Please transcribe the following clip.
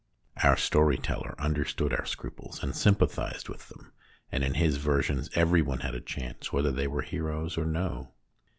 Our story teller understood our scruples and sympathised with them, and in his versions every one had a chance, whether they were heroes or no.